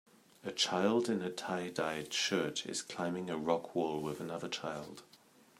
A child in a Tyedyed shirt is climbing a rock wall with another child.